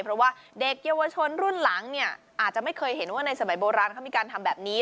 เพราะว่าเด็กเยาวชนรุ่นหลังเนี่ยอาจจะไม่เคยเห็นว่าในสมัยโบราณเขามีการทำแบบนี้